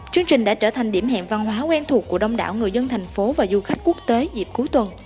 chương trình đã trở thành điểm hẹn văn hóa quen thuộc của đông đảo người dân thành phố và du khách quốc tế dịp cuối tuần